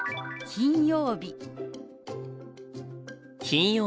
金曜日。